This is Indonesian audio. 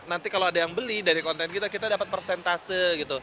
nanti kalau ada yang beli dari konten kita kita dapat persentase gitu